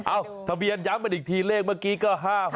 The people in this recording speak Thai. อ้าวทะเบียนย้ำมาอีกทีเลขเมื่อกี้ก็๕๖๗๙